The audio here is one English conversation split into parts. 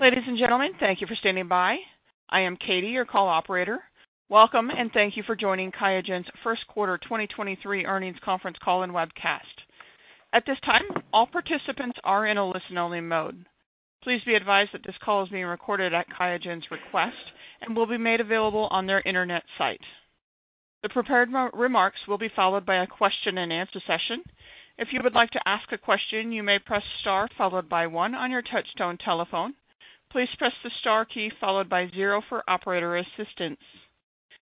Ladies and gentlemen, thank you for standing by. I am Katie, your call operator. Welcome and thank you for joining QIAGEN's Q1 2023 Earnings Conference Call and Webcast. At this time, all participants are in a listen-only mode. Please be advised that this call is being recorded at QIAGEN's request and will be made available on their Internet site. The prepared re-remarks will be followed by a question-and-answer session. If you would like to ask a question, you may press star followed by one on your touch-tone telephone. Please press the star key followed by zero for operator assistance.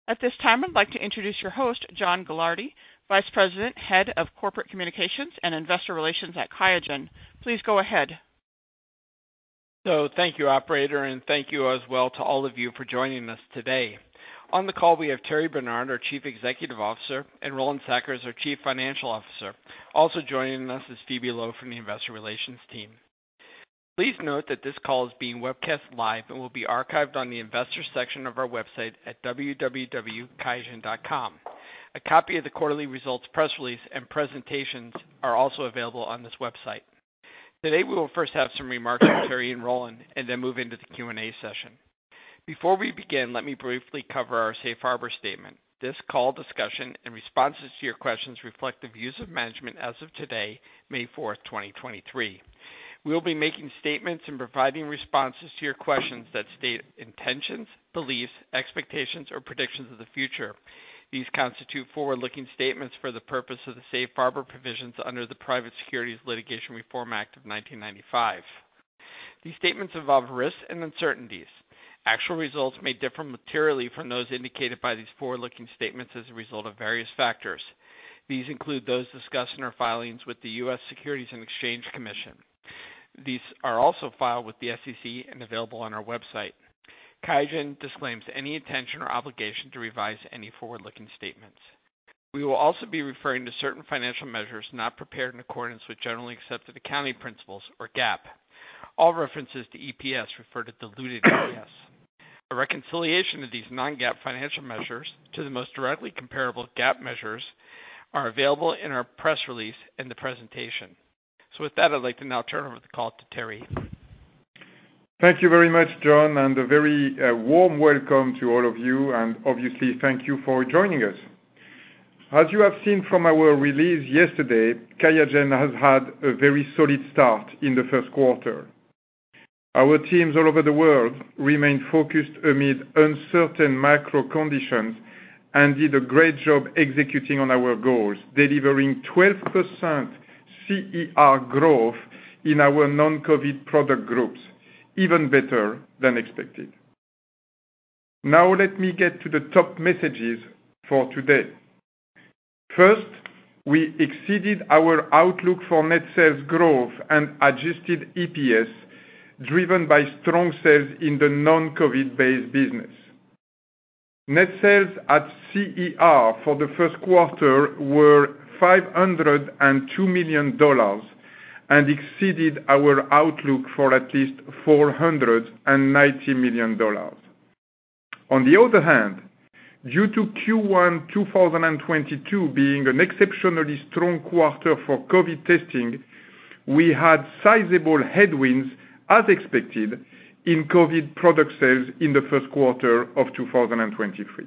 At this time, I'd like to introduce your host, John Gilardi, Vice President, Head of Corporate Communications and Investor Relations at QIAGEN. Please go ahead. Thank you, operator, and thank you as well to all of you for joining us today. On the call we have Thierry Bernard, our Chief Executive Officer, and Roland Sackers, our Chief Financial Officer. Also joining us is Phoebe Loh from the investor relations team. Please note that this call is being webcast live and will be archived on the investors section of our website at www.QIAGEN.com. A copy of the quarterly results, press release, and presentations are also available on this website. Today, we will first have some remarks from Thierry and Roland and then move into the Q&A session. Before we begin, let me briefly cover our safe harbor statement. This call, discussion, and responses to your questions reflect the views of management as of today, May 4, 2023. We'll be making statements and providing responses to your questions that state intentions, beliefs, expectations, or predictions of the future. These constitute forward-looking statements for the purpose of the safe harbor provisions under the Private Securities Litigation Reform Act of 1995. These statements involve risks and uncertainties. Actual results may differ materially from those indicated by these forward-looking statements as a result of various factors. These include those discussed in our filings with the U.S. Securities and Exchange Commission. These are also filed with the SEC and available on our website. QIAGEN disclaims any intention or obligation to revise any forward-looking statements. We will also be referring to certain financial measures not prepared in accordance with generally accepted accounting principles or GAAP. All references to EPS refer to diluted EPS. A reconciliation of these non-GAAP financial measures to the most directly comparable GAAP measures are available in our press release in the presentation. With that, I'd like to now turn over the call to Thierry. Thank you very much, John, and a very warm welcome to all of you, and obviously, thank you for joining us. As you have seen from our release yesterday, QIAGEN has had a very solid start in the Q1. Our teams all over the world remain focused amid uncertain macro conditions and did a great job executing on our goals, delivering 12% CER growth in our non-COVID product groups, even better than expected. Let me get to the top messages for today. First, we exceeded our outlook for net sales growth and adjusted EPS driven by strong sales in the non-COVID-based business. Net sales at CER for the Q1 were $502 million and exceeded our outlook for at least $490 million. On the other hand, due to Q1 2022 being an exceptionally strong quarter for COVID testing, we had sizable headwinds as expected in COVID product sales in the Q1 of 2023.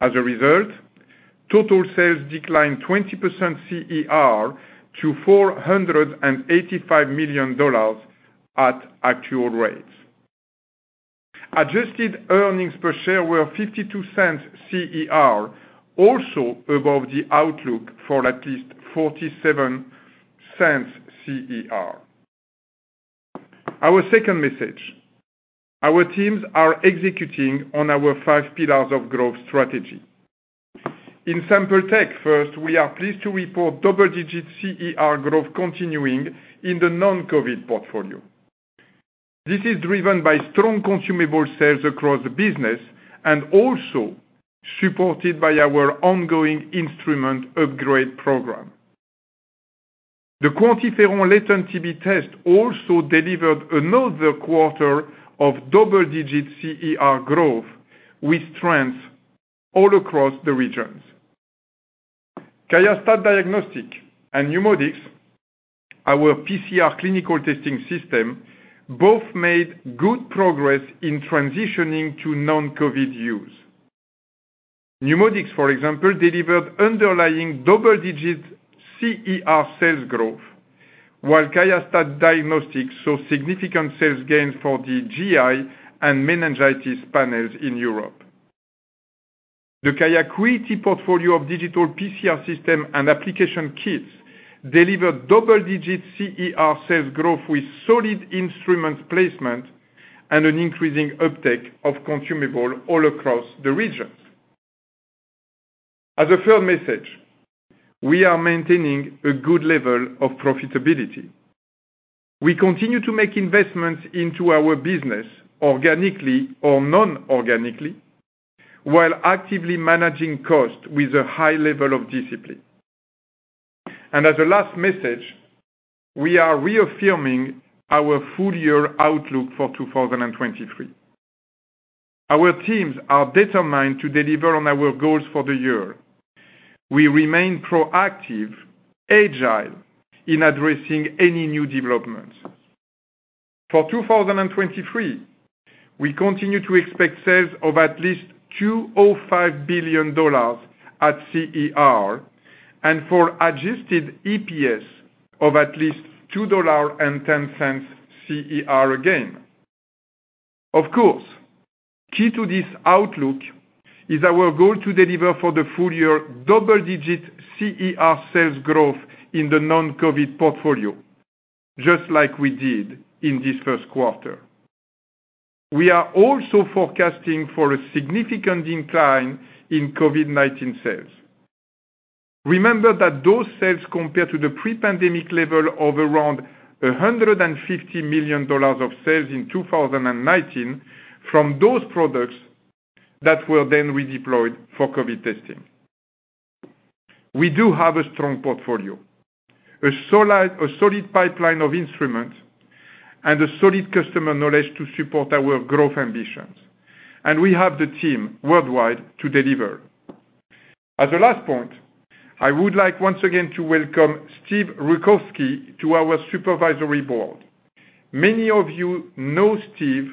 As a result, total sales declined 20% CER to $485 million at actual rates. Adjusted earnings per share were $0.52 CER, also above the outlook for at least $0.47 CER. Our second message, our teams are executing on our five pillars of growth strategy. In Sample Tech, first, we are pleased to report double-digit CER growth continuing in the non-COVID portfolio. This is driven by strong consumable sales across the business and also supported by our ongoing instrument upgrade program. The QuantiFERON latent TB test also delivered another quarter of double-digit CER growth with strength all across the regions. QIAstat Diagnostic and NeuMoDx, our PCR clinical testing system, both made good progress in transitioning to non-COVID use. NeuMoDx, for example, delivered underlying double-digit CER sales growth, while QIAstat Diagnostics saw significant sales gains for the GI and meningitis panels in Europe. The QIAcuity portfolio of digital PCR system and application kits delivered double-digit CER sales growth with solid instrument placement and an increasing uptake of consumable all across the regions. As a third message, we are maintaining a good level of profitability. We continue to make investments into our business organically or non-organically, while actively managing costs with a high level of discipline. As a last message, we are reaffirming our full year outlook for 2023. Our teams are determined to deliver on our goals for the year. We remain proactive, agile in addressing any new developments. For 2023, we continue to expect sales of at least $2 or 5 billion at CER, and for adjusted EPS of at least $2.10 CER again. Of course, key to this outlook is our goal to deliver for the full year double-digit CER sales growth in the non-COVID portfolio, just like we did in this Q1. We are also forecasting for a significant decline in COVID-19 sales. Remember that those sales compare to the pre-pandemic level of around $150 million of sales in 2019 from those products that were then redeployed for COVID testing. We do have a strong portfolio, a solid pipeline of instruments, and a solid customer knowledge to support our growth ambitions, and we have the team worldwide to deliver. As a last point, I would like once again to welcome Steve Rutkowski to our supervisory board. Many of you know Steve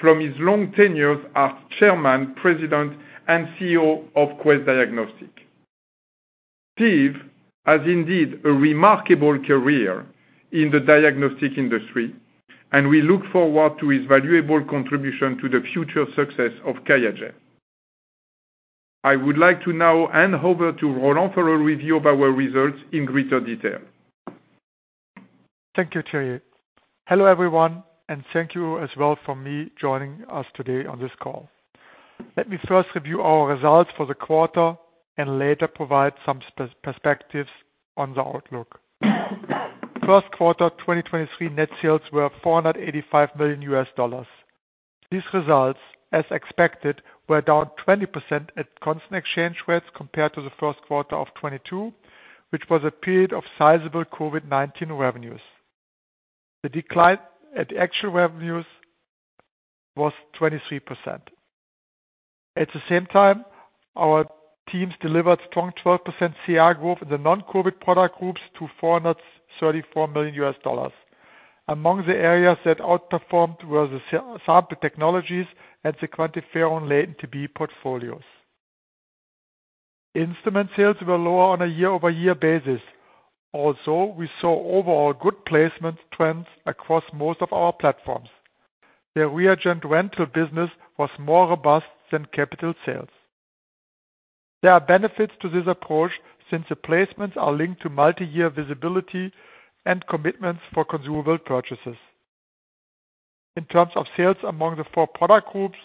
from his long tenures as Chairman, President, and CEO of Quest Diagnostics. Steve has indeed a remarkable career in the diagnostic industry, and we look forward to his valuable contribution to the future success of QIAGEN. I would like to now hand over to Roland for a review of our results in greater detail. Thank you, Thierry. Hello, everyone, and thank you as well for me joining us today on this call. Let me first review our results for the quarter and later provide some perspectives on the outlook. Q1, 2023 net sales were $485 million. These results, as expected, were down 20% at constant exchange rates compared to the Q1 of 2022, which was a period of sizable COVID-19 revenues. The decline at actual revenues was 23%. At the same time, our teams delivered strong 12% CR growth in the non-COVID product groups to $434 million. Among the areas that outperformed were the sample technologies and the QuantiFERON latent TB portfolios. Instrument sales were lower on a year-over-year basis, although we saw overall good placement trends across most of our platforms. The reagent rental business was more robust than capital sales. There are benefits to this approach since the placements are linked to multi-year visibility and commitments for consumable purchases. In terms of sales among the four product groups,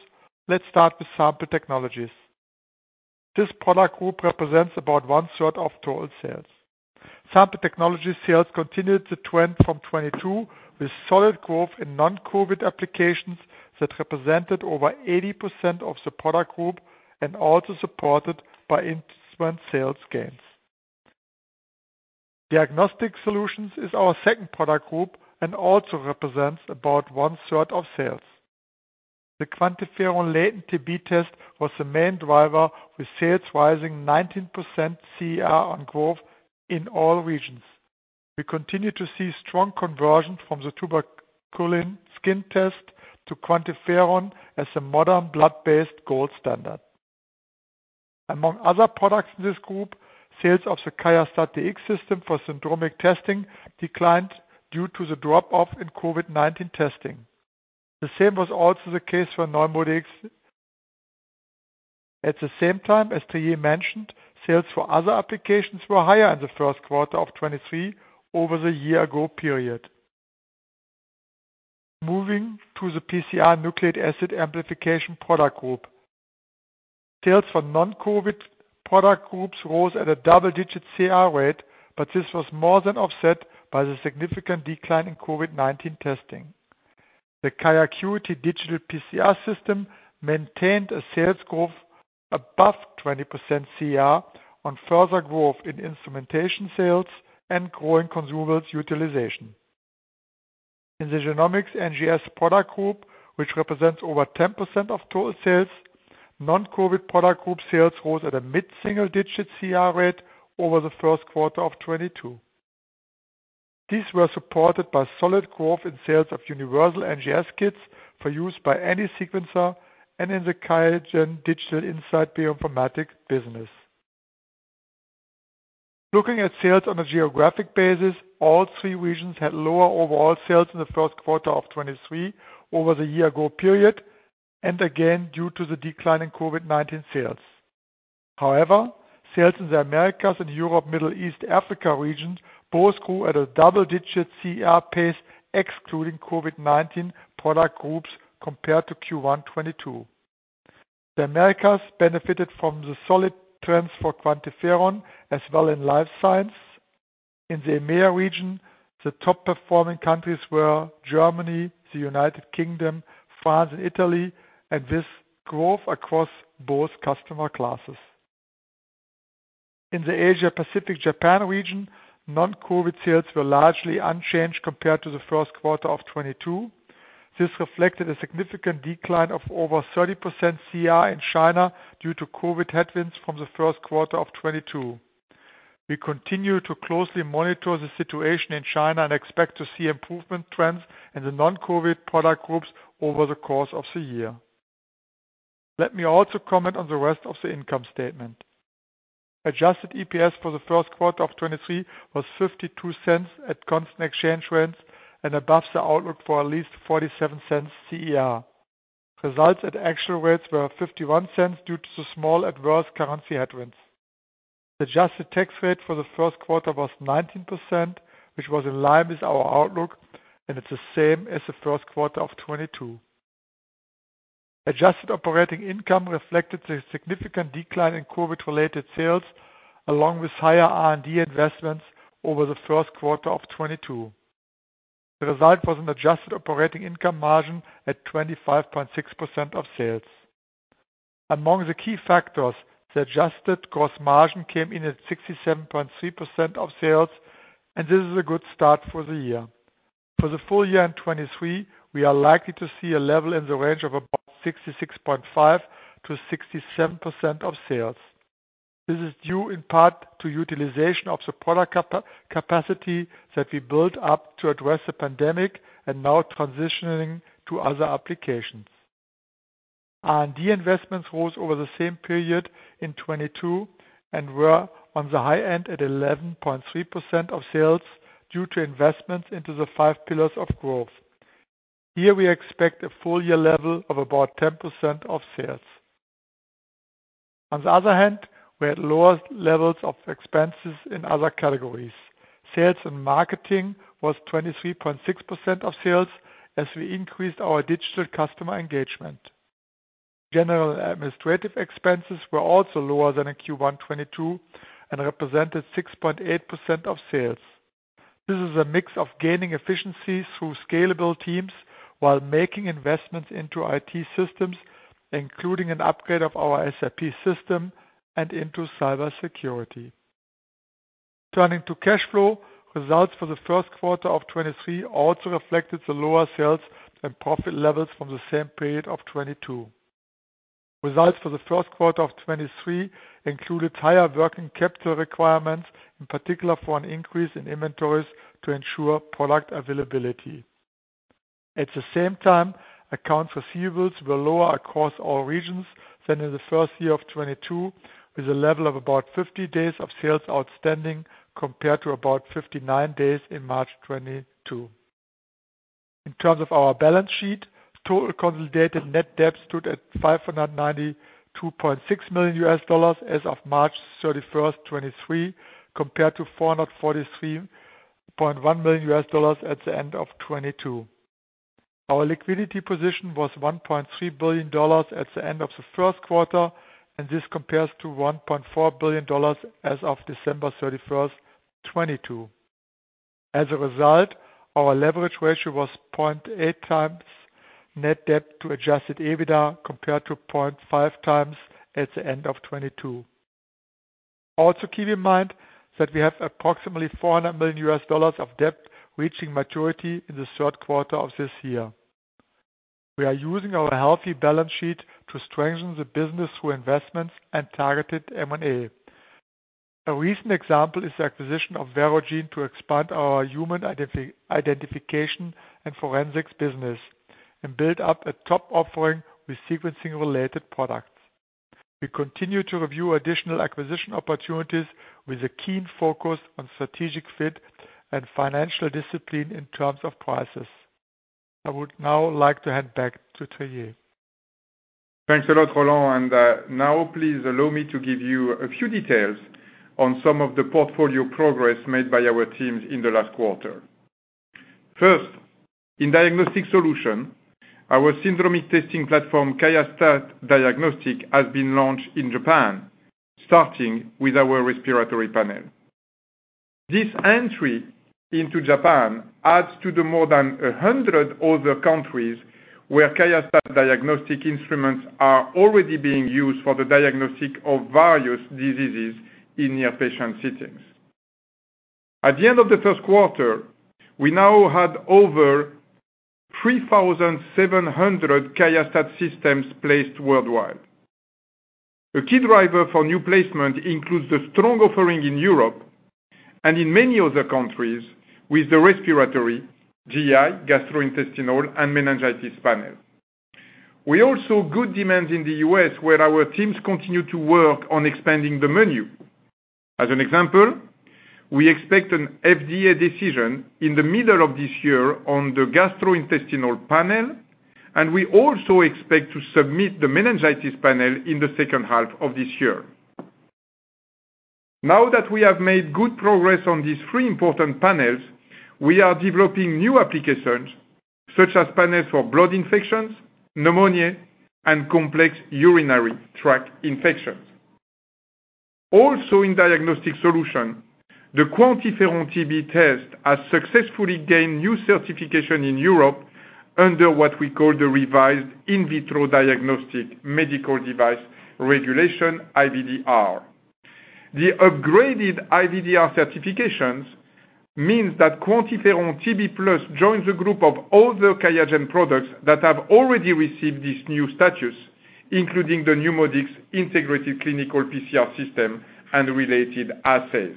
let's start with Sample Technologies. This product group represents about 1/3 of total sales. Sample Technologies sales continued the trend from 2022 with solid growth in non-COVID applications that represented over 80% of the product group and also supported by instrument sales gains. Diagnostic Solutions is our second product group and also represents about 1/3 of sales. The QuantiFERON latent TB test was the main driver with sales rising 19% CR on growth in all regions. We continue to see strong conversion from the tuberculin skin test to QuantiFERON as a modern blood-based gold standard. Among other products in this group, sales of the QIAstat-Dx system for syndromic testing declined due to the drop-off in COVID-19 testing. The same was also the case for NeuMoDx. At the same time, as Thierry mentioned, sales for other applications were higher in the Q1 of 2023 over the year ago period. Moving to the PCR Nucleic Acid Amplification product group. Sales for non-COVID product groups rose at a double-digit CR rate, this was more than offset by the significant decline in COVID-19 testing. The QIAcuity digital PCR system maintained a sales growth above 20% CR on further growth in instrumentation sales and growing consumables utilization. In the Genomics NGS product group, which represents over 10% of total sales, non-COVID product group sales rose at a mid-single digit CR rate over the Q1 of 2022. These were supported by solid growth in sales of universal NGS kits for use by any sequencer and in the QIAGEN Digital Insights Bioinformatics business. Looking at sales on a geographic basis, all three regions had lower overall sales in the Q1 of 2023 over the year ago period, and again, due to the decline in COVID-19 sales. However, sales in the Americas and Europe, Middle East, Africa regions both grew at a double-digit CR pace, excluding COVID-19 product groups compared to Q1 2022. The Americas benefited from the solid trends for QuantiFERON as well in life science. In the EMEA region, the top performing countries were Germany, the United Kingdom, France, and Italy, and this growth across both customer classes. In the Asia Pacific Japan region, non-COVID sales were largely unchanged compared to the Q1 of 2022. This reflected a significant decline of over 30% CER in China due to COVID headwinds from the Q1 of 2022. We continue to closely monitor the situation in China and expect to see improvement trends in the non-COVID product groups over the course of the year. Let me also comment on the rest of the income statement. Adjusted EPS for the Q1 of 2023 was $0.52 at constant exchange rates and above the outlook for at least $0.47 CER. Results at actual rates were $0.51 due to the small adverse currency headwinds. The adjusted tax rate for the Q1 was 19%, which was in line with our outlook, and it's the same as the Q1 of 2022. Adjusted operating income reflected the significant decline in COVID-related sales, along with higher R&D investments over the Q1 of 2022. The result was an adjusted operating income margin at 25.6% of sales. Among the key factors, the adjusted gross margin came in at 67.3% of sales. This is a good start for the year. For the full year in 2023, we are likely to see a level in the range of about 66.5%-67% of sales. This is due in part to utilization of the product capacity that we built up to address the pandemic and now transitioning to other applications. R&D investments rose over the same period in 2022 and were on the high end at 11.3% of sales due to investments into the 5 pillars of growth. Here we expect a full year level of about 10% of sales. On the other hand, we had lower levels of expenses in other categories. Sales and marketing was 23.6% of sales as we increased our digital customer engagement. General administrative expenses were also lower than in Q1 2022 and represented 6.8% of sales. This is a mix of gaining efficiencies through scalable teams while making investments into IT systems, including an upgrade of our SAP system and into cybersecurity. Turning to cash flow, results for the Q1 of 2023 also reflected the lower sales and profit levels from the same period of 2022. Results for the Q1 of 2023 included higher working capital requirements, in particular for an increase in inventories to ensure product availability. At the same time, account receivables were lower across all regions than in the first year of 2022, with a level of about 50 days of sales outstanding compared to about 59 days in March 2022. In terms of our balance sheet, total consolidated net debt stood at $592.6 million as of March 31, 2023, compared to $443.1 million at the end of 2022. Our liquidity position was $1.3 billion at the end of the Q1, and this compares to $1.4 billion as of December 31, 2022. As a result, our leverage ratio was 0.8 times net debt to adjusted EBITDA, compared to 0.5 times at the end of 2022. Also keep in mind that we have approximately $400 million of debt reaching maturity in the Q3 of this year. We are using our healthy balance sheet to strengthen the business through investments and targeted M&A. A recent example is the acquisition of Verogen to expand our human identification and forensics business and build up a top offering with sequencing-related products. We continue to review additional acquisition opportunities with a keen focus on strategic fit and financial discipline in terms of prices. I would now like to hand back to Thierry Bernard. Thanks a lot, Roland. Now please allow me to give you a few details on some of the portfolio progress made by our teams in the last quarter. First, in Diagnostic Solutions, our syndromic testing platform, QIAstat diagnostic, has been launched in Japan, starting with our respiratory panel. This entry into Japan adds to the more than 100 other countries where QIAstat diagnostic instruments are already being used for the diagnostic of various diseases in near patient settings. At the end of the Q1, we now had over 3,700 QIAstat systems placed worldwide. A key driver for new placement includes the strong offering in Europe and in many other countries with the respiratory, GI, gastrointestinal, and meningitis panel. We also good demand in the U.S. where our teams continue to work on expanding the menu. As an example, we expect an FDA decision in the middle of this year on the gastrointestinal panel, and we also expect to submit the meningitis panel in the second half of this year. Now that we have made good progress on these three important panels, we are developing new applications such as panels for blood infections, pneumonia, and complex urinary tract infections. Also in diagnostic solutions. The QuantiFERON TB test has successfully gained new certification in Europe under what we call the revised In Vitro Diagnostic Medical Devices Regulation, IVDR. The upgraded IVDR certifications means that QuantiFERON TB Plus joins a group of other QIAGEN products that have already received this new status, including the NeuMoDx integrated clinical PCR system and related assays.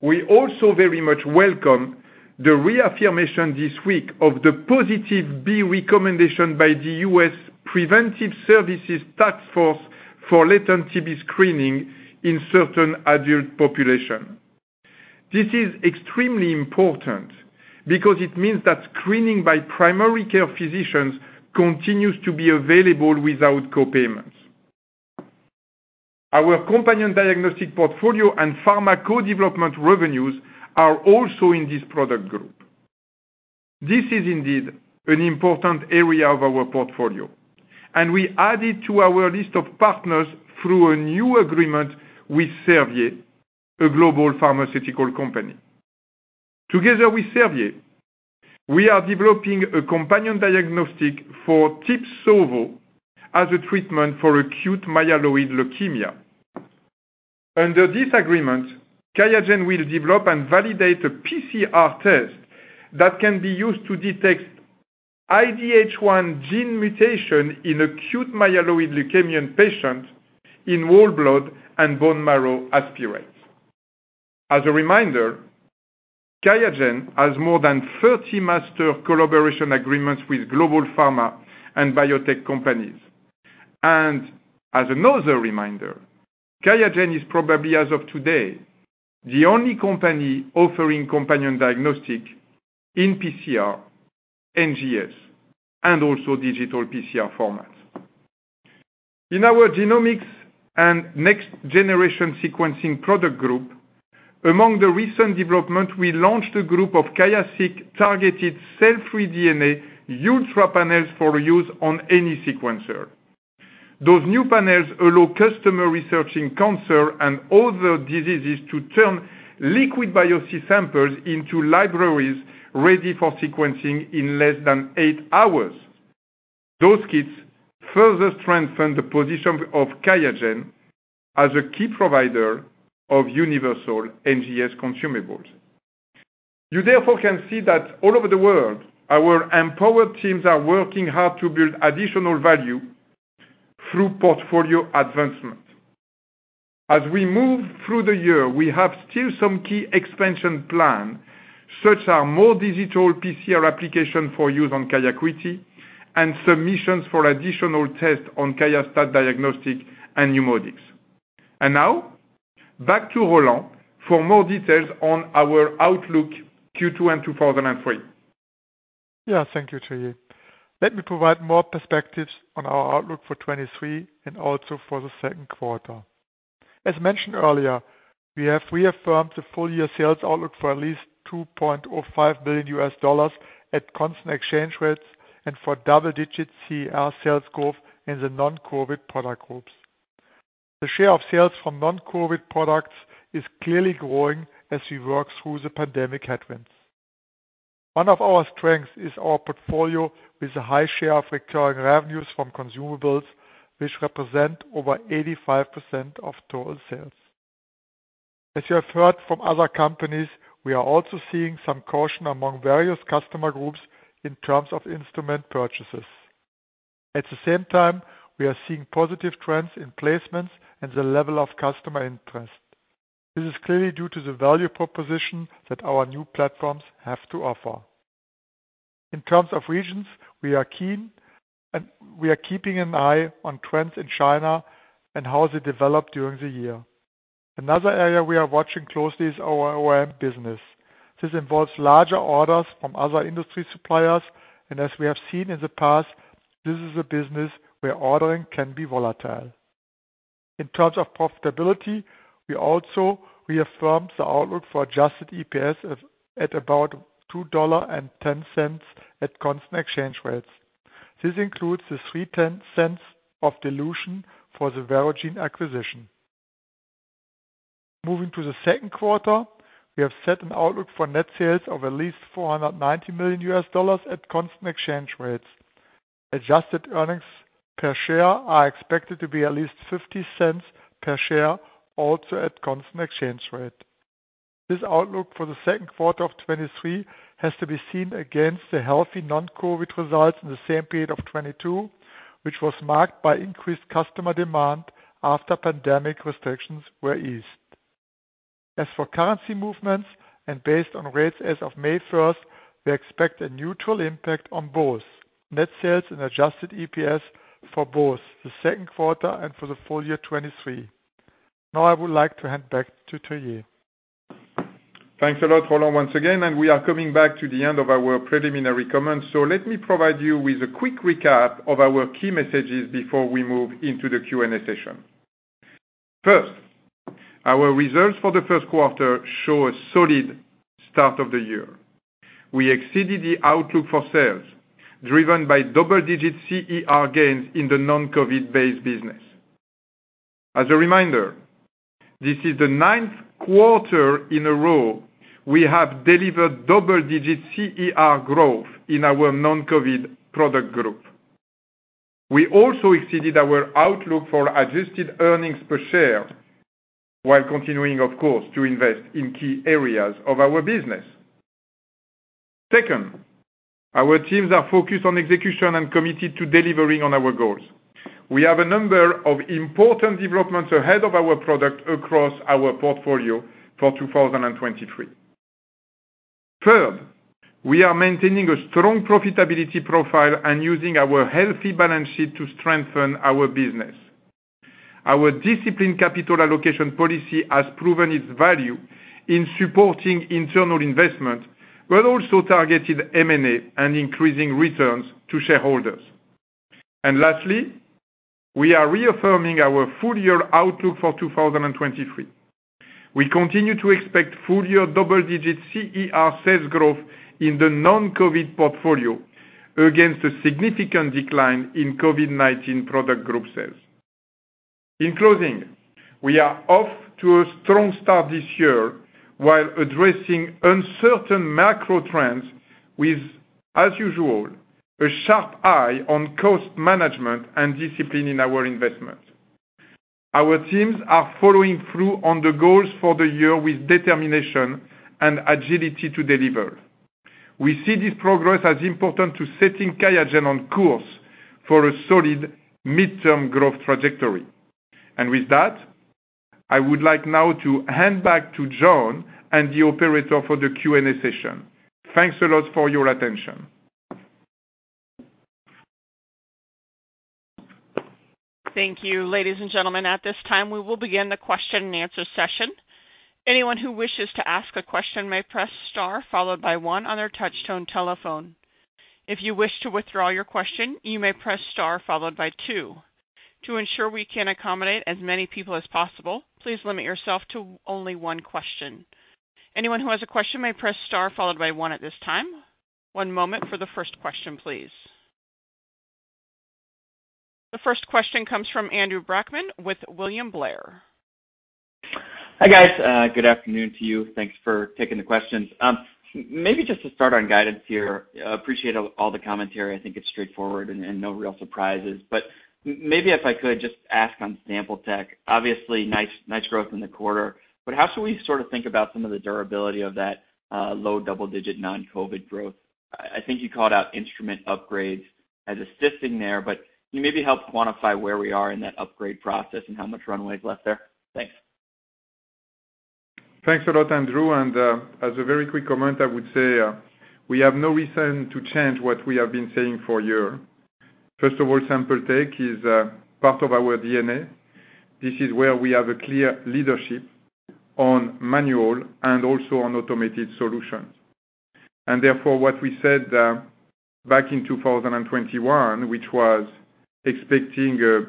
We also very much welcome the reaffirmation this week of the positive B recommendation by the U.S. Preventive Services Task Force for latent TB screening in certain adult population. This is extremely important because it means that screening by primary care physicians continues to be available without co-payments. Our companion diagnostic portfolio and pharma co-development revenues are also in this product group. This is indeed an important area of our portfolio, and we added to our list of partners through a new agreement with Servier, a global pharmaceutical company. Together with Servier, we are developing a companion diagnostic for TIBSOVO as a treatment for acute myeloid leukemia. Under this agreement, QIAGEN will develop and validate a PCR test that can be used to detect IDH1 gene mutation in acute myeloid leukemia in patients, in whole blood and bone marrow aspirates. As a reminder, QIAGEN has more than 30 master collaboration agreements with global pharma and biotech companies. As another reminder, QIAGEN is probably as of today, the only company offering companion diagnostic in PCR, NGS, and also digital PCR formats. In our genomics and next generation sequencing product group, among the recent development, we launched a group of QIAseq targeted cell-free DNA, ultra panels for use on any sequencer. Those new panels allow customer researching cancer and other diseases to turn liquid biopsy samples into libraries ready for sequencing in less than 8 hours. Those kits further strengthen the position of QIAGEN as a key provider of universal NGS consumables. You therefore can see that all over the world, our empowered teams are working hard to build additional value through portfolio advancement. As we move through the year, we have still some key expansion plan, such are more digital PCR application for use on QIAcuity and submissions for additional tests on QIAstat-Dx and NeuMoDx. Now back to Roland for more details on our outlook Q2 and 2003. Yeah, thank you, Thierry. Let me provide more perspectives on our outlook for 2023 and also for the 2Q. As mentioned earlier, we have reaffirmed the full year sales outlook for at least $2.05 billion at constant exchange rates and for double-digit CER sales growth in the non-COVID product groups. The share of sales from non-COVID products is clearly growing as we work through the pandemic headwinds. One of our strengths is our portfolio with a high share of recurring revenues from consumables, which represent over 85% of total sales. As you have heard from other companies, we are also seeing some caution among various customer groups in terms of instrument purchases. At the same time, we are seeing positive trends in placements and the level of customer interest. This is clearly due to the value proposition that our new platforms have to offer. In terms of regions, we are keen and we are keeping an eye on trends in China and how they develop during the year. Another area we are watching closely is our OEM business. This involves larger orders from other industry suppliers, and as we have seen in the past, this is a business where ordering can be volatile. In terms of profitability, we also reaffirmed the outlook for adjusted EPS at about $2.10 at constant exchange rates. This includes the $0.03 of dilution for the Verogen acquisition. Moving to the Q2, we have set an outlook for net sales of at least $490 million at constant exchange rates. Adjusted earnings per share are expected to be at least $0.50 per share, also at constant exchange rate. This outlook for the Q2 of 2023 has to be seen against the healthy non-COVID results in the same period of 2022, which was marked by increased customer demand after pandemic restrictions were eased. For currency movements and based on rates as of May 1st, we expect a neutral impact on both net sales and adjusted EPS for both the Q2 and for the full year 2023. I would like to hand back to Thierry. Thanks a lot, Roland, once again. We are coming back to the end of our preliminary comments. Let me provide you with a quick recap of our key messages before we move into the Q&A session. First, our results for the Q1 show a solid start of the year. We exceeded the outlook for sales driven by double-digit CER gains in the non-COVID-based business. As a reminder, this is the ninth quarter in a row we have delivered double-digit CER growth in our non-COVID product group. We also exceeded our outlook for adjusted earnings per share while continuing, of course, to invest in key areas of our business. Second, our teams are focused on execution and committed to delivering on our goals. We have a number of important developments ahead of our product across our portfolio for 2023. Third, we are maintaining a strong profitability profile and using our healthy balance sheet to strengthen our business. Our disciplined capital allocation policy has proven its value in supporting internal investment, but also targeted M&A and increasing returns to shareholders. Lastly, we are reaffirming our full-year outlook for 2023. We continue to expect full-year double-digit CER sales growth in the non-COVID portfolio against a significant decline in COVID-19 product group sales. In closing, we are off to a strong start this year while addressing uncertain macro trends with, as usual, a sharp eye on cost management and discipline in our investments. Our teams are following through on the goals for the year with determination and agility to deliver. We see this progress as important to setting QIAGEN on course for a solid midterm growth trajectory. With that, I would like now to hand back to John and the operator for the Q&A session. Thanks a lot for your attention. Thank you. Ladies and gentlemen, at this time, we will begin the question and answer session. Anyone who wishes to ask a question may press star followed by one on their touch tone telephone. If you wish to withdraw your question, you may press star followed by two. To ensure we can accommodate as many people as possible, please limit yourself to only one question. Anyone who has a question may press star followed by one at this time. One moment for the first question, please. The first question comes from Andrew Brackmann with William Blair. Hi, guys. good afternoon to you. Thanks for taking the questions. Maybe just to start on guidance here. Appreciate all the commentary. I think it's straightforward and no real surprises. Maybe if I could just ask on SampleTech. Obviously, nice growth in the quarter. How should we sort of think about some of the durability of that low double-digit non-COVID growth? I think you called out instrument upgrades as assisting there, but can you maybe help quantify where we are in that upgrade process and how much runway is left there? Thanks. Thanks a lot, Andrew. As a very quick comment, I would say, we have no reason to change what we have been saying for a year. First of all, SampleTech is part of our DNA. This is where we have a clear leadership on manual and also on automated solutions. Therefore, what we said back in 2021, which was expecting a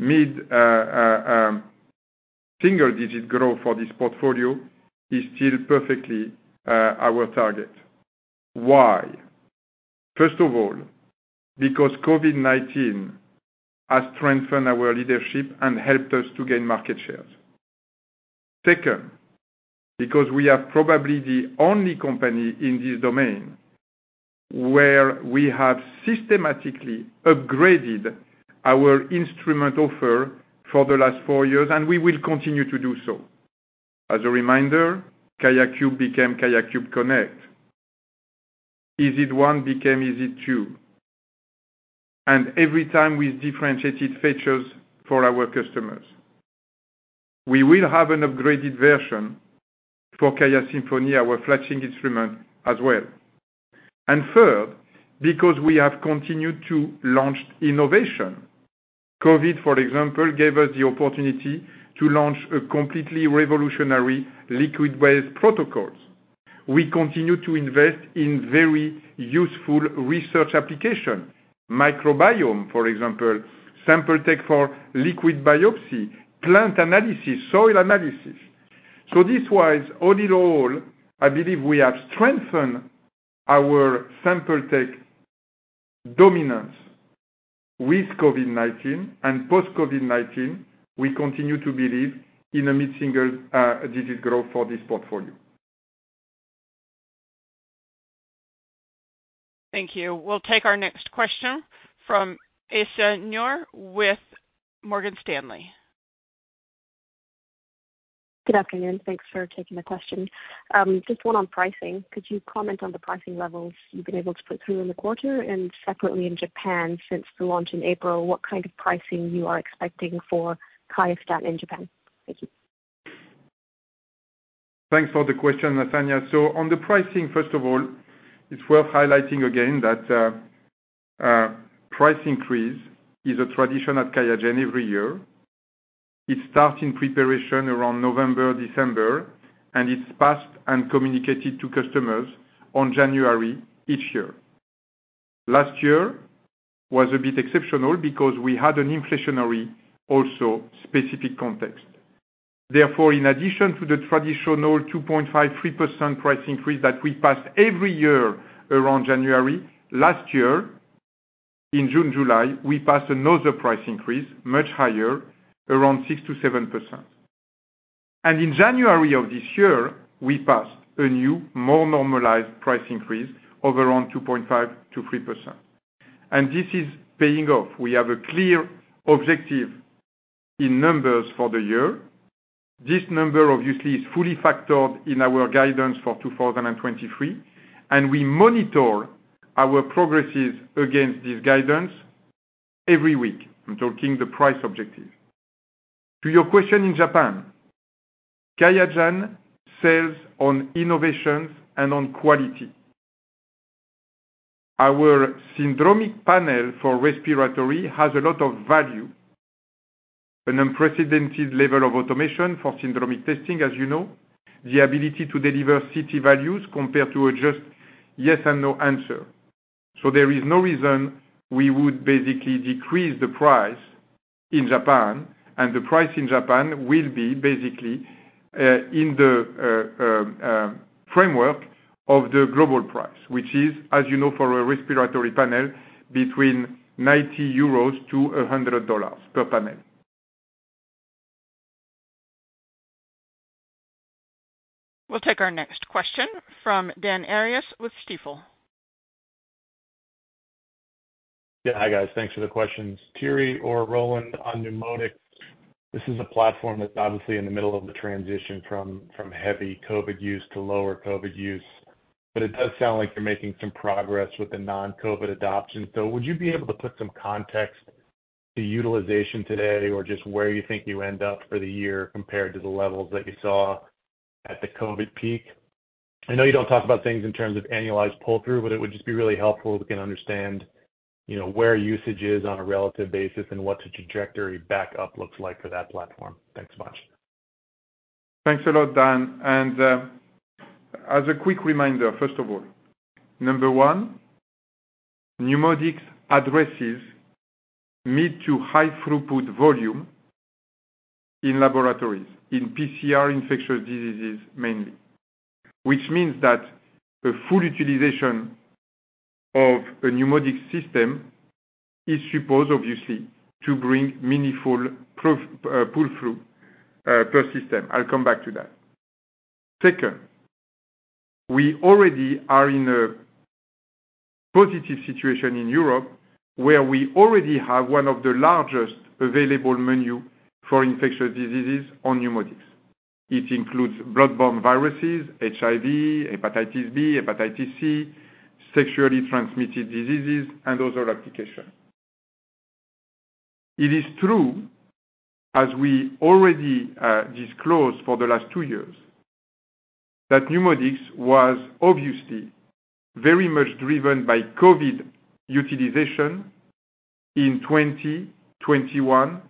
mid-single-digit growth for this portfolio, is still perfectly our target. Why? First of all, because COVID-19 has strengthened our leadership and helped us to gain market shares. Second, because we are probably the only company in this domain where we have systematically upgraded our instrument offer for the last four years, and we will continue to do so. As a reminder, QIAcube became QIAcube Connect. EZ1 became EZ2. Every time we differentiated features for our customers. We will have an upgraded version for QIAsymphony, our flagship instrument, as well. Third, because we have continued to launch innovation. COVID, for example, gave us the opportunity to launch a completely revolutionary liquid-based protocols. We continue to invest in very useful research application. Microbiome, for example, SampleTech for liquid biopsy, plant analysis, soil analysis. This was all in all, I believe we have strengthened our SampleTech dominance with COVID-19 and post-COVID-19, we continue to believe in a mid-single digit growth for this portfolio. Thank you. We'll take our next question from Aisyah Noor with Morgan Stanley. Good afternoon. Thanks for taking the question. just one on pricing. Could you comment on the pricing levels you've been able to put through in the quarter, and separately in Japan, since the launch in April, what kind of pricing you are expecting for QIAstat in Japan? Thank you. Thanks for the question, Aisyah. On the pricing, first of all, it's worth highlighting again that price increase is a tradition at QIAGEN every year. It starts in preparation around November, December, and it's passed and communicated to customers on January each year. Last year was a bit exceptional because we had an inflationary also specific context. Therefore, in addition to the traditional 2.5%, 3% price increase that we pass every year around January, last year in June, July, we passed another price increase much higher, around 6%-7%. In January of this year, we passed a new more normalized price increase of around 2.5%-3%. This is paying off. We have a clear objective in numbers for the year. This number obviously is fully factored in our guidance for 2023, and we monitor our progresses against this guidance every week. I'm talking the price objective. To your question in Japan, QIAGEN sells on innovations and on quality. Our syndromic panel for respiratory has a lot of value, an unprecedented level of automation for syndromic testing, as you know. The ability to deliver CT values compared to a just yes and no answer. There is no reason we would basically decrease the price in Japan. The price in Japan will be basically in the framework of the global price, which is, as you know, for a respiratory panel between 90 euros to $100 per panel. We'll take our next question from Dan Arias with Stifel. Yeah. Hi, guys. Thanks for the questions. Thierry or Roland on NeuMoDx. This is a platform that's obviously in the middle of the transition from heavy COVID use to lower COVID use. It does sound like you're making some progress with the non-COVID adoption. Would you be able to put some context to utilization today or just where you think you end up for the year compared to the levels that you saw at the COVID peak? I know you don't talk about things in terms of annualized pull-through, but it would just be really helpful to kind of understand, you know, where usage is on a relative basis and what the trajectory back up looks like for that platform. Thanks much. Thanks a lot, Dan. As a quick reminder, first of all, number one, NeuMoDx addresses mid to high throughput volume in laboratories, in PCR infectious diseases mainly. Which means that a full utilization of a NeuMoDx system is supposed, obviously, to bring meaningful proof, pull-through per system. I'll come back to that. Second, we already are in a positive situation in Europe, where we already have one of the largest available menu for infectious diseases on NeuMoDx. It includes blood-borne viruses, HIV, hepatitis B, hepatitis C, sexually transmitted diseases, and other applications. It is true, as we already disclosed for the last two years, that NeuMoDx was obviously very much driven by COVID utilization in 2021,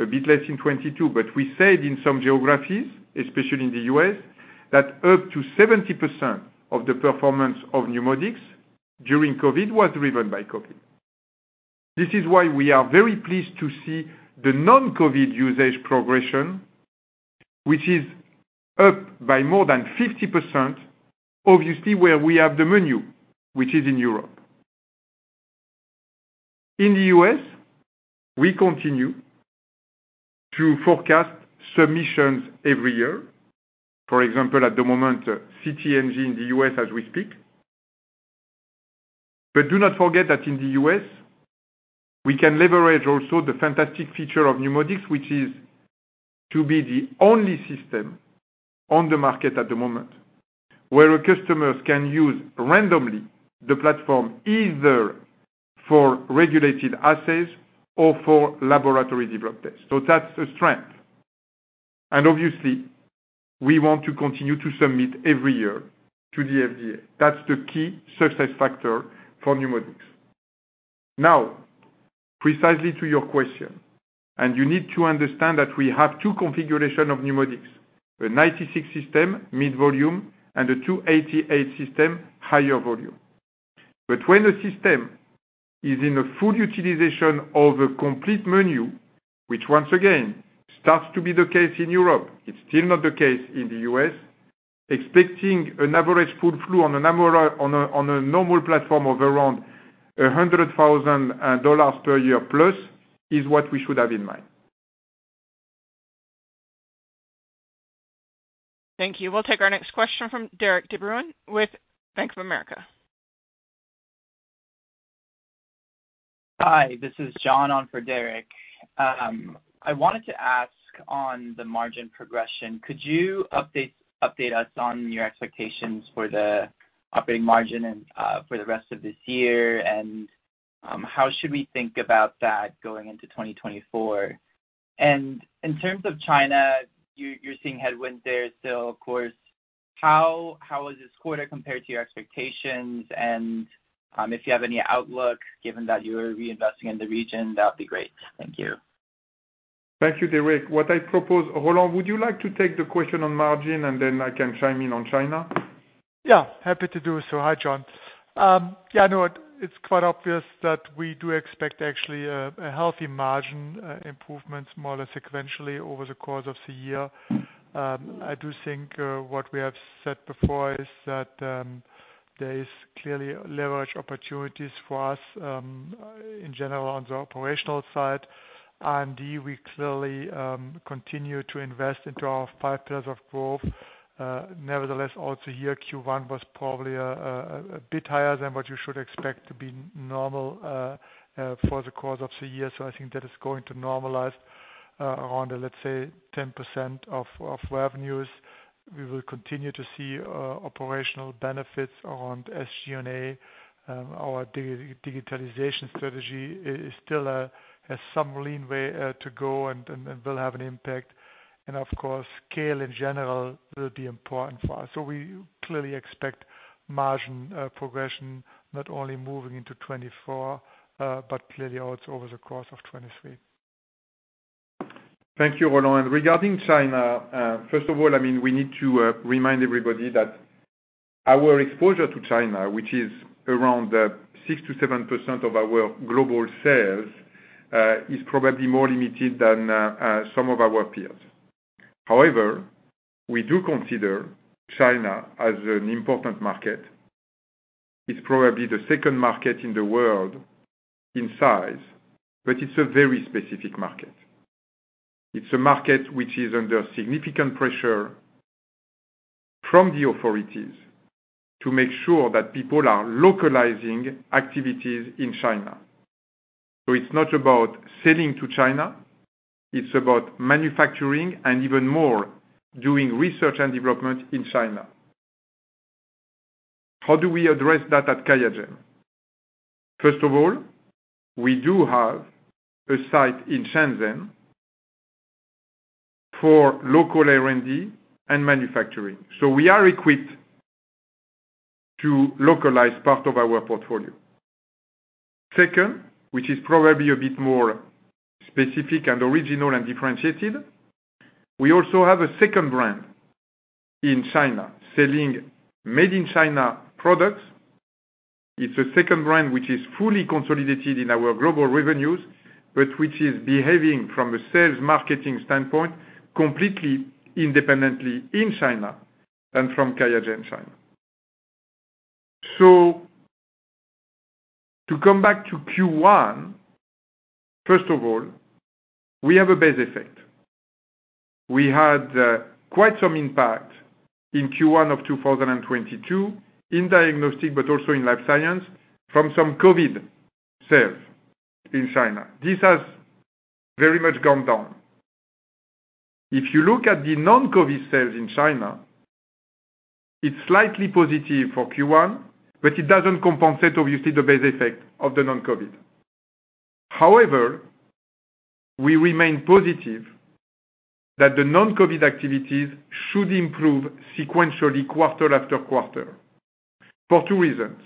a bit less in 2022. We said in some geographies, especially in the US, that up to 70% of the performance of NeuMoDx during COVID was driven by COVID. This is why we are very pleased to see the non-COVID usage progression, which is up by more than 50%, obviously, where we have the menu, which is in Europe. In the US, we continue to forecast submissions every year. For example, at the moment, CT NG in the US as we speak. Do not forget that in the US, we can leverage also the fantastic feature of NeuMoDx, which is to be the only system on the market at the moment where customers can use randomly the platform either for regulated assays or for laboratory developed tests. That's a strength. Obviously we want to continue to submit every year to the FDA. That's the key success factor for NeuMoDx. Now, precisely to your question, you need to understand that we have two configuration of NeuMoDx, a 96 system, mid volume, and a 288 system, higher volume. When a system is in a full utilization of a complete menu, which once again starts to be the case in Europe, it's still not the case in the U.S., expecting an average pull-through on a normal platform of around $100,000 per year plus is what we should have in mind. Thank you. We'll take our next question from Derik de Bruin with Bank of America. Hi, this is John on for Derik. I wanted to ask on the margin progression, could you update us on your expectations for the operating margin for the rest of this year? How should we think about that going into 2024? In terms of China, you're seeing headwinds there still, of course. How has this quarter compared to your expectations and if you have any outlook given that you're reinvesting in the region? That would be great. Thank you. Thank you, John. What I propose, Roland, would you like to take the question on margin, and then I can chime in on China? Yeah, happy to do so. Hi, John. Yeah, I know it's quite obvious that we do expect actually a healthy margin improvements more or less sequentially over the course of the year. I do think what we have said before is that there is clearly leverage opportunities for us in general on the operational side. R&D, we clearly continue to invest into our five pillars of growth. Nevertheless, also year Q1 was probably a bit higher than what you should expect to be normal for the course of the year. I think that is going to normalize around, let's say, 10% of revenues. We will continue to see operational benefits around SG&A. Our digi-digitalization strategy is still has some lean way to go and will have an impact. Of course, scale in general will be important for us. We clearly expect margin progression not only moving into 2024, but clearly also over the course of 2023. Thank you, Roland. Regarding China, first of all, I mean, we need to remind everybody that our exposure to China, which is around 6% to 7% of our global sales, is probably more limited than some of our peers. We do consider China as an important market. It's probably the second market in the world in size. It's a very specific market. It's a market which is under significant pressure from the authorities to make sure that people are localizing activities in China. It's not about selling to China, it's about manufacturing and even more doing research and development in China. How do we address that at QIAGEN? First of all, we do have a site in Shenzhen for local R&D and manufacturing. We are equipped to localize part of our portfolio. Second, which is probably a bit more specific and original and differentiated, we also have a second brand in China selling made-in-China products. It's a second brand which is fully consolidated in our global revenues, but which is behaving from a sales marketing standpoint, completely independently in China and from QIAGEN China. To come back to Q1, first of all, we have a base effect. We had quite some impact in Q1 of 2022 in diagnostics, but also in life science from some COVID sales in China. This has very much gone down. If you look at the non-COVID sales in China, it's slightly positive for Q1, but it doesn't compensate obviously the base effect of the non-COVID. However, we remain positive that the non-COVID activities should improve sequentially quarter after quarter for two reasons.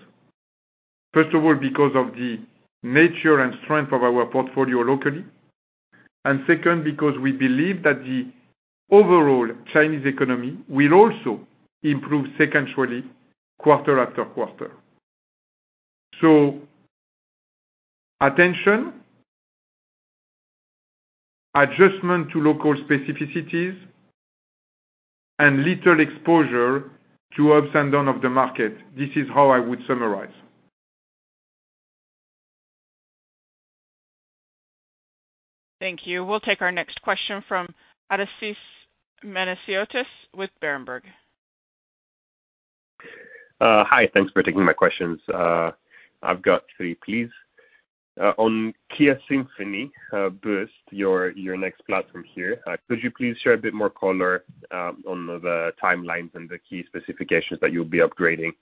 First of all, because of the nature and strength of our portfolio locally. Second, because we believe that the overall Chinese economy will also improve sequentially quarter after quarter. Attention, adjustment to local specificities, and little exposure to ups and downs of the market. This is how I would summarize. Thank you. We'll take our next question from Odysseas Manesiotis with Berenberg. Hi. Thanks for taking my questions. I've got three, please. On QIAsymphony Boost, your next platform here. Could you please share a bit more color on the timelines and the key specifications that you'll be upgrading?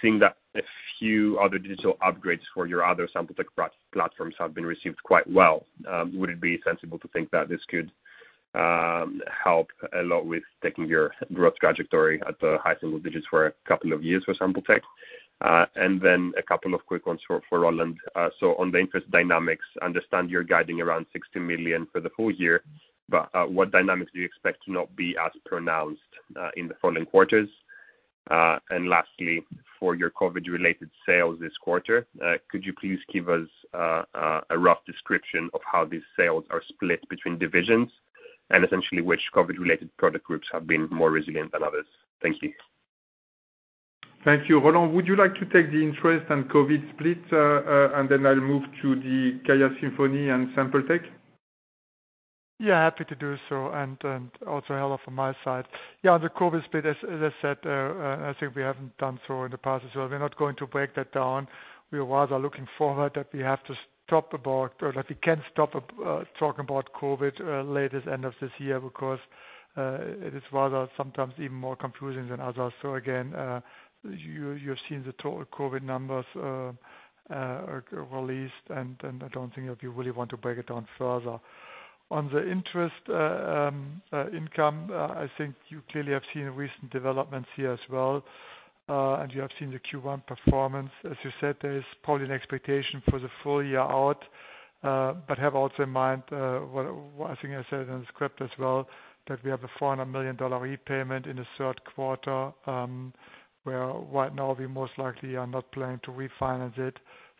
Seeing that a few other digital upgrades for your other SampleTech platforms have been received quite well, would it be sensible to think that this could help a lot with taking your growth trajectory at the high single digits for a couple of years for SampleTech? Then a couple of quick ones for Roland. On the interest dynamics, understand you're guiding around $60 million for the full year, but what dynamics do you expect to not be as pronounced in the following quarters? Lastly, for your COVID-related sales this quarter, could you please give us a rough description of how these sales are split between divisions? Essentially, which COVID-related product groups have been more resilient than others? Thank you. Thank you. Roland, would you like to take the interest and COVID split, and then I'll move to the QIAsymphony and SampleTech? Yeah, happy to do so. Also hello from my side. Yeah, the COVID split, as I said, I think we haven't done so in the past as well. We're not going to break that down. We rather looking forward that we have to stop about or that we can stop talking about COVID latest end of this year because it is rather sometimes even more confusing than others. Again, you've seen the total COVID numbers released, and then I don't think you really want to break it down further. On the interest income, I think you clearly have seen recent developments here as well. You have seen the Q1 performance. As you said, there is probably an expectation for the full year out. Have also in mind, I think I said it in the script as well, that we have a $400 million repayment in the Q3, where right now we most likely are not planning to refinance it.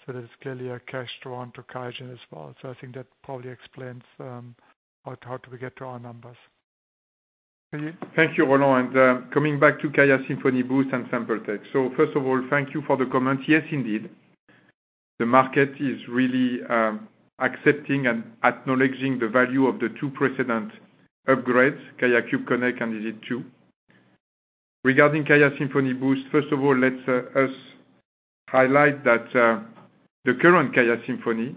That is clearly a cash draw on to QIAGEN as well. I think that probably explains how do we get to our numbers. Thank you, Roland. Coming back to QIAsymphony Boost and SampleTech. First of all, thank you for the comment. Yes, indeed. The market is really accepting and acknowledging the value of the two precedent upgrades, QIAcube Connect and EZ2 Connect. Regarding QIAsymphony Boost, first of all, let's us highlight that the current QIAsymphony,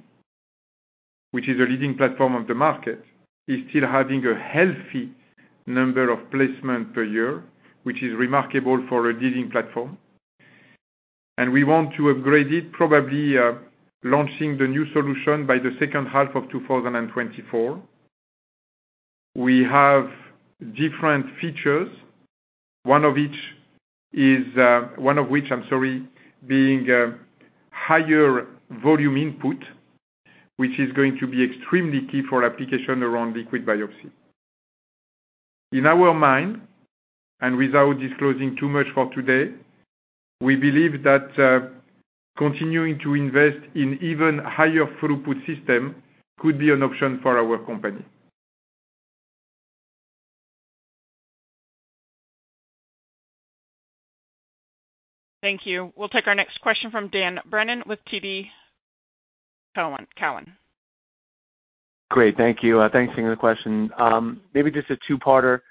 which is a leading platform of the market, is still having a healthy number of placements per year, which is remarkable for a leading platform. We want to upgrade it, probably launching the new solution by the second half of 2024. We have different features, one of which, I'm sorry, being higher volume input, which is going to be extremely key for application around liquid biopsy. In our mind, without disclosing too much for today, we believe that, continuing to invest in even higher throughput system could be an option for our company. Thank you. We'll take our next question from Dan Brennan with TD Cowen. Great. Thank you. Thanks. Another question. Maybe just a two-parter.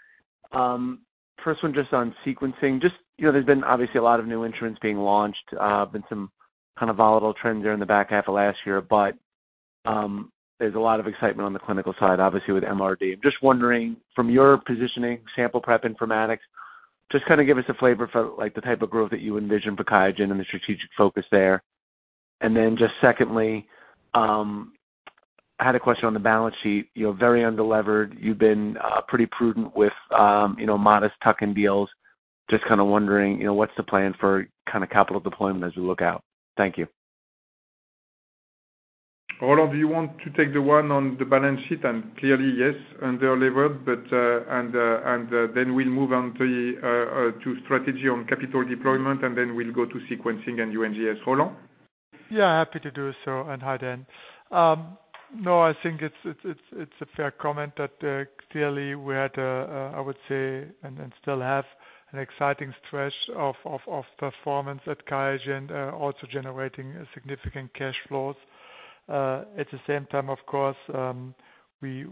First one just on sequencing. Just, you know, there's been obviously a lot of new instruments being launched, been some kind of volatile trends there in the back half of last year. There's a lot of excitement on the clinical side, obviously with MRD. I'm just wondering from your positioning, sample prep informatics, just kinda give us a flavor for, like, the type of growth that you envision for QIAGEN and the strategic focus there. Just secondly, I had a question on the balance sheet. You're very underlevered. You've been pretty prudent with, you know, modest tuck-in deals. Just kinda wondering, you know, what's the plan for kinda capital deployment as you look out? Thank you. Roland, do you want to take the one on the balance sheet? Clearly, yes, underlevered, but, and then we'll move on to strategy on capital deployment, and then we'll go to sequencing and NGS. Roland? Yeah, happy to do so, and hi, Dan. No, I think it's a fair comment that clearly we had I would say, and still have an exciting stretch of performance at QIAGEN, also generating significant cash flows. At the same time, of course, we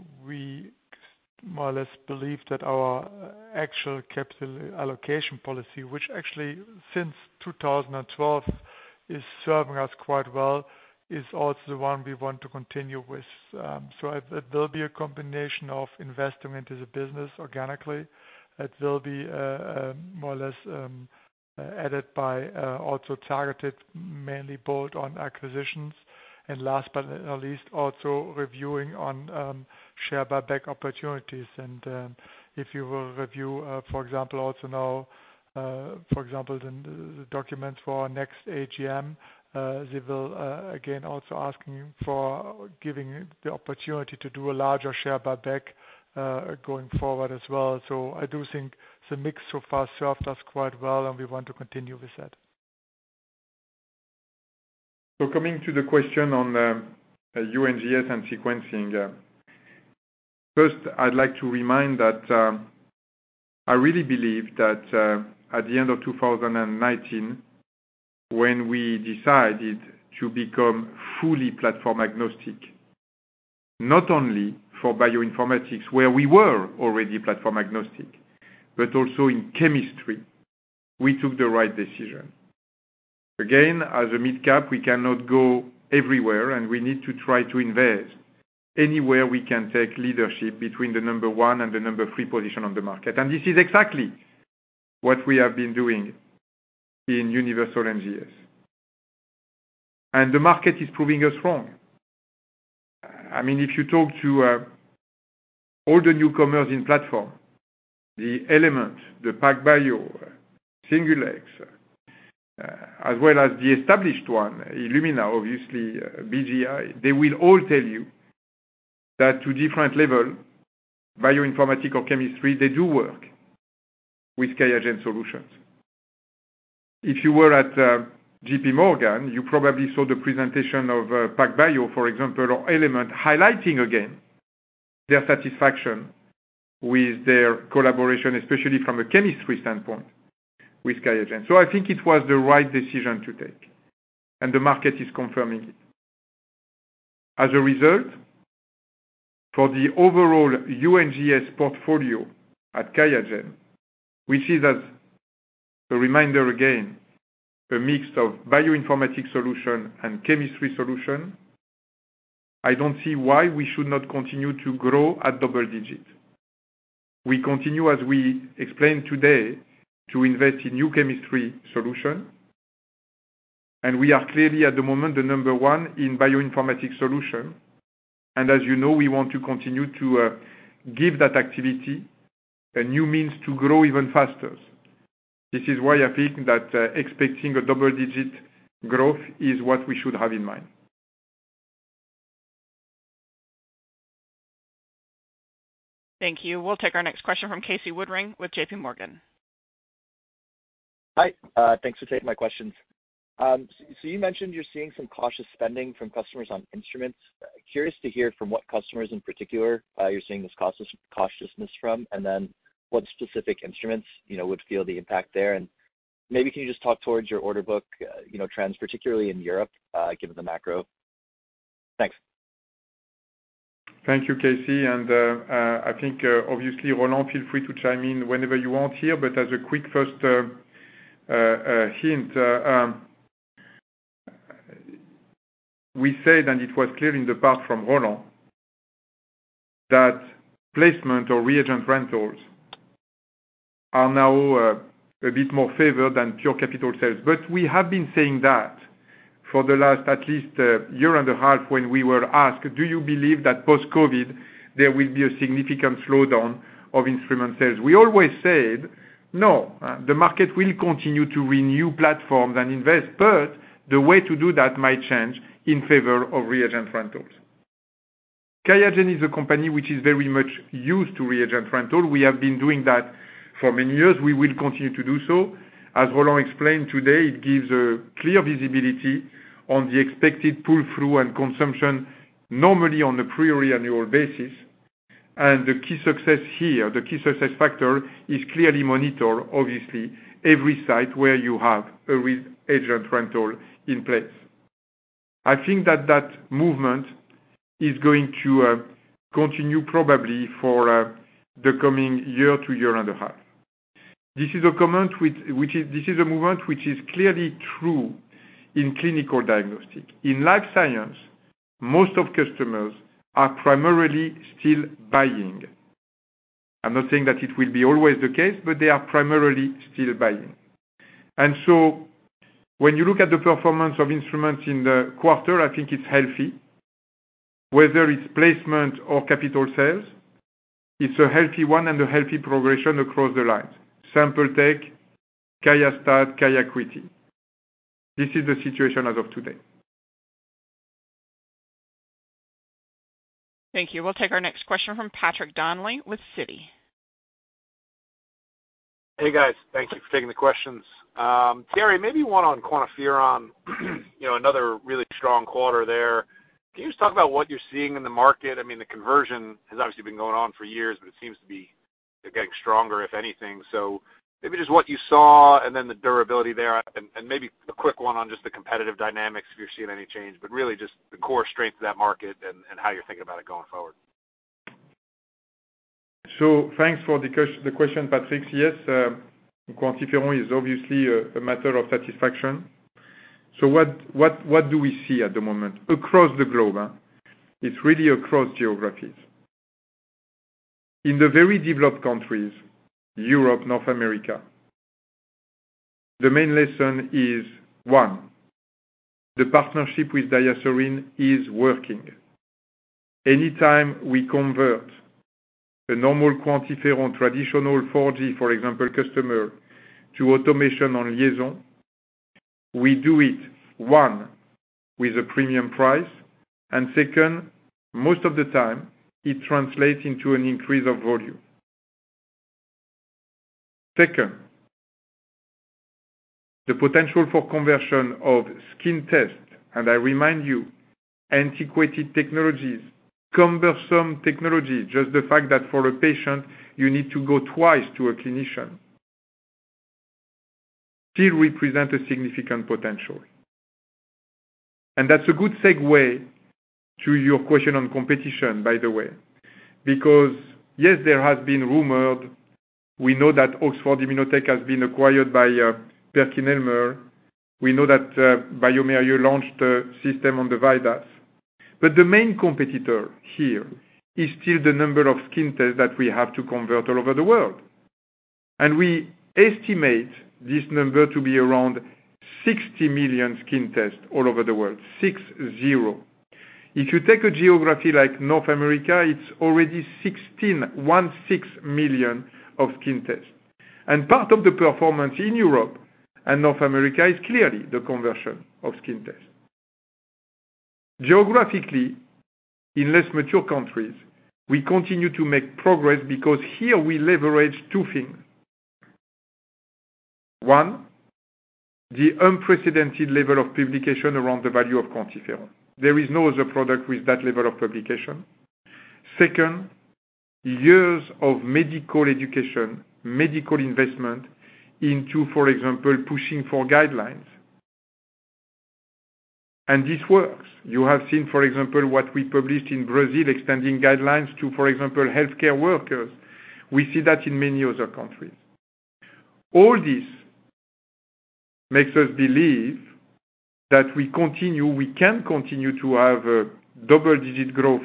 more or less believe that our actual capital allocation policy, which actually since 2012 is serving us quite well, is also the one we want to continue with. It will be a combination of investment into the business organically. It will be more or less added by also targeted mainly bolt-on acquisitions. Last but not least, also reviewing on share buyback opportunities. If you will review, for example, also now, for example, the document for our next AGM, they will, again, also asking for giving the opportunity to do a larger share buyback, going forward as well. I do think the mix so far served us quite well, and we want to continue with that. Coming to the question on NGS and sequencing. First, I'd like to remind that I really believe that at the end of 2019, when we decided to become fully platform agnostic, not only for bioinformatics, where we were already platform agnostic, but also in chemistry, we took the right decision. Again, as a midcap, we cannot go everywhere, and we need to try to invest anywhere we can take leadership between the number one and the number three position on the market. This is exactly what we have been doing in universal NGS. The market is proving us wrong. I mean, if you talk to all the newcomers in platform, the Element, the PacBio, Singulex, as well as the established one, Illumina, obviously BGI, they will all tell you that to different level, bioinformatics or chemistry, they do work with QIAGEN solutions. If you were at J.P. Morgan, you probably saw the presentation of PacBio, for example, or Element highlighting again their satisfaction with their collaboration, especially from a chemistry standpoint with QIAGEN. I think it was the right decision to take, and the market is confirming it. As a result, for the overall NGS portfolio at QIAGEN, which is as a reminder, again, a mix of bioinformatics solution and chemistry solution, I don't see why we should not continue to grow at double digit. We continue, as we explained today, to invest in new chemistry solution. We are clearly at the moment, the number one in bioinformatics solution. As you know, we want to continue to give that activity a new means to grow even faster. This is why I think that expecting a double-digit growth is what we should have in mind. Thank you. We'll take our next question from Casey Woodring with JP Morgan. Hi. Thanks for taking my questions. You mentioned you're seeing some cautious spending from customers on instruments. Curious to hear from what customers in particular, you're seeing this cautiousness from? What specific instruments, you know, would feel the impact there? Maybe can you just talk towards your order book, you know, trends, particularly in Europe, given the macro? Thanks. Thank you, Casey. I think obviously, Roland feel free to chime in whenever you want here, but as a quick first hint, we said, and it was clear in the part from Roland, that placement or reagent rentals are now a bit more favored than pure capital sales. We have been saying that for the last at least year and a half when we were asked, "Do you believe that post-COVID, there will be a significant slowdown of instrument sales?" We always said, "No, the market will continue to renew platforms and invest, but the way to do that might change in favor of reagent rentals." QIAGEN is a company which is very much used to reagent rental. We have been doing that for many years. We will continue to do so. As Roland explained today, it gives a clear visibility on the expected pull-through and consumption, normally on a priori annual basis. The key success here, the key success factor, is clearly monitor, obviously, every site where you have a reagent rental in place. I think that that movement is going to continue probably for the coming year to year and a half. This is a movement which is clearly true in clinical diagnostic. In life science, most of customers are primarily still buying. I'm not saying that it will be always the case, but they are primarily still buying. When you look at the performance of instruments in the quarter, I think it's healthy. Whether it's placement or capital sales, it's a healthy one and a healthy progression across the lines. SampleTech, QIAstat, QIAcuity. This is the situation as of today. Thank you. We'll take our next question from Patrick Donnelly with Citi. Hey, guys. Thank you for taking the questions. Thierry, maybe one on QuantiFERON. You know, another really strong quarter there. Can you just talk about what you're seeing in the market? I mean, the conversion has obviously been going on for years, but it seems to be getting stronger, if anything. Maybe just what you saw and then the durability there and maybe a quick one on just the competitive dynamics if you're seeing any change, but really just the core strength of that market and how you're thinking about it going forward. Thanks for the question, Patrick. Yes, QuantiFERON is obviously a matter of satisfaction. What do we see at the moment across the globe? It's really across geographies. In the very developed countries, Europe, North America, the main lesson is, one, the partnership with DiaSorin is working. Anytime we convert a normal QuantiFERON traditional 4G, for example, customer to automation on LIAISON, we do it, one, with a premium price, and second, most of the time, it translates into an increase of volume. Second, the potential for conversion of skin tests, and I remind you, antiquated technologies, cumbersome technology, just the fact that for a patient, you need to go twice to a clinician, still represent a significant potential. That's a good segue to your question on competition, by the way. Yes, there has been rumored, we know that Oxford Immunotec has been acquired by PerkinElmer. We know that, bioMérieux launched a system on the VIDAS. The main competitor here is still the number of skin tests that we have to convert all over the world. We estimate this number to be around 60 million skin tests all over the world. Six zero. If you take a geography like North America, it's already 16, one six million of skin tests. Part of the performance in Europe and North America is clearly the conversion of skin tests. Geographically, in less mature countries, we continue to make progress because here we leverage two things. One, the unprecedented level of publication around the value of QuantiFERON. There is no other product with that level of publication. Second, years of medical education, medical investment into, for example, pushing for guidelines. This works. You have seen, for example, what we published in Brazil, extending guidelines to, for example, healthcare workers. We see that in many other countries. All this makes us believe that we can continue to have a double-digit growth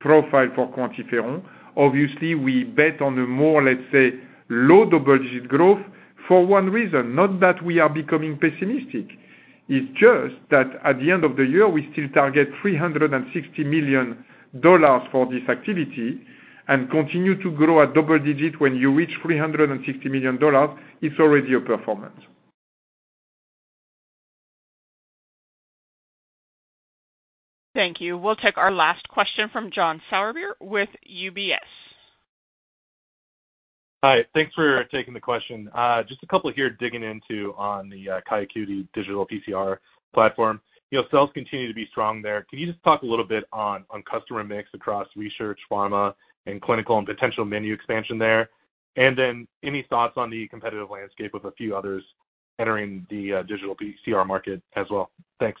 profile for QuantiFERON. Obviously, we bet on a more, let's say, low double-digit growth for one reason, not that we are becoming pessimistic. It's just that at the end of the year, we still target $360 million for this activity and continue to grow at double digit. When you reach $360 million, it's already a performance. Thank you. We'll take our last question from John Sourbeer with UBS. Hi, thanks for taking the question. just a couple here digging into on the QIAcuity digital PCR platform. Your sales continue to be strong there. Can you just talk a little bit on customer mix across research, pharma, and clinical and potential menu expansion there? Any thoughts on the competitive landscape with a few others entering the digital PCR market as well? Thanks. Thanks,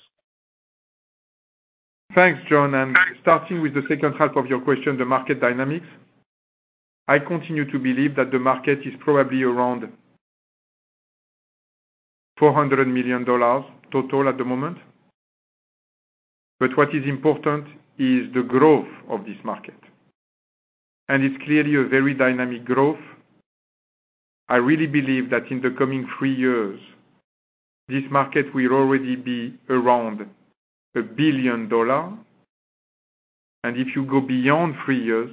John. Starting with the second half of your question, the market dynamics. I continue to believe that the market is probably around $400 million total at the moment. What is important is the growth of this market, and it's clearly a very dynamic growth. I really believe that in the coming three years, this market will already be around $1 billion. If you go beyond three years,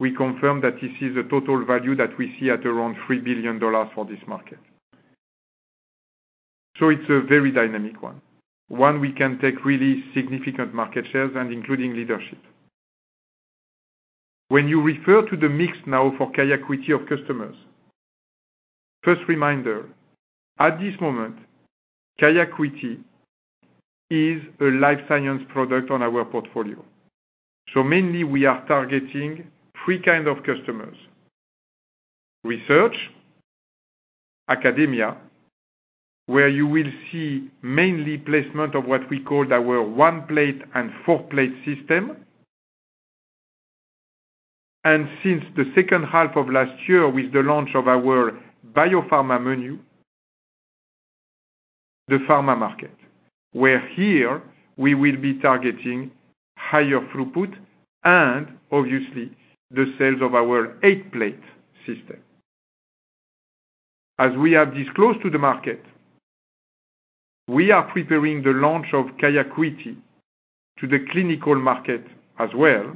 we confirm that this is a total value that we see at around $3 billion for this market. It's a very dynamic one. We can take really significant market shares and including leadership. When you refer to the mix now for QIAcuity of customers. First reminder, at this moment, QIAcuity is a life science product on our portfolio. Mainly we are targeting three kind of customers. Research, academia, where you will see mainly placement of what we call our one plate and four plate system. Since the second half of last year with the launch of our biopharma menu, the pharma market, where here we will be targeting higher throughput and obviously the sales of our eight plate system. As we have disclosed to the market, we are preparing the launch of QIAcuity to the clinical market as well.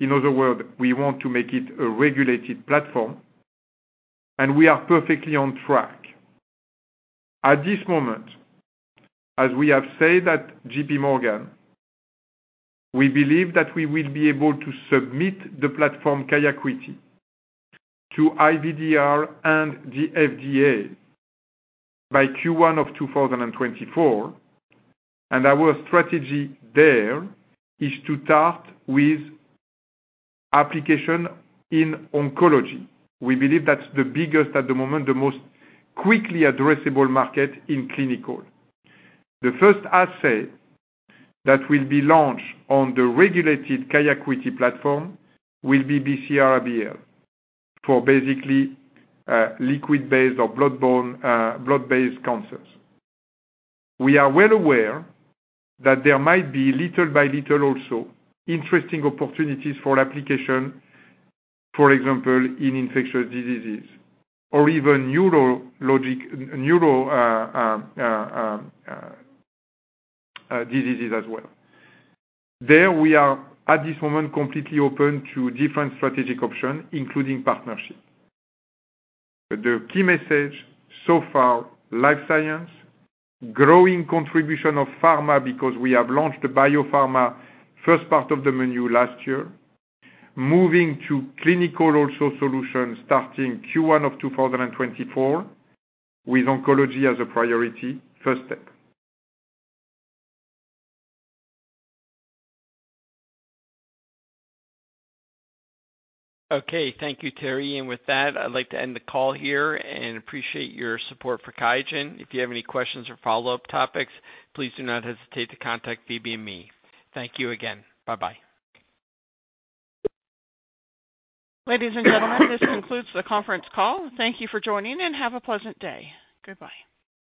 In other words, we want to make it a regulated platform, and we are perfectly on track. At this moment, as we have said at J.P. Morgan, we believe that we will be able to submit the platform QIAcuity to IVDR and the FDA by Q1 of 2024. Our strategy there is to start with application in oncology. We believe that's the biggest at the moment, the most quickly addressable market in clinical. The first assay that will be launched on the regulated QIAcuity platform will be BCR-ABL for basically, liquid-based or blood-borne, blood-based cancers. We are well aware that there might be little by little also interesting opportunities for application, for example, in infectious diseases or even neurologic diseases as well. There we are, at this moment, completely open to different strategic options, including partnerships. The key message so far, life science, growing contribution of pharma because we have launched the biopharma first part of the menu last year, moving to clinical also solution starting Q1 of 2024 with oncology as a priority, first step. Okay, thank you, Thierry. With that, I'd like to end the call here and appreciate your support for QIAGEN. If you have any questions or follow-up topics, please do not hesitate to contact Phoebe and me. Thank you again. Bye-bye. Ladies and gentlemen, this concludes the conference call. Thank you for joining, and have a pleasant day. Goodbye.